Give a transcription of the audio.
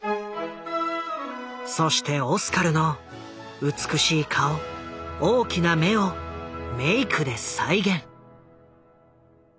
そしてオスカルの美しい顔大きな目をメイクで再現。